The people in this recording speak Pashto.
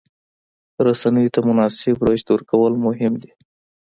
رسنیو ته مناسب رشد ورکول مهم دي.